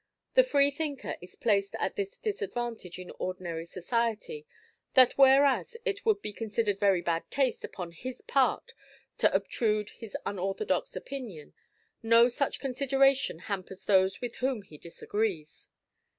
The Freethinker is placed at this disadvantage in ordinary society, that whereas it would be considered very bad taste upon his part to obtrude his unorthodox opinion, no such consideration hampers those with whom he disagrees.